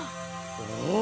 おお！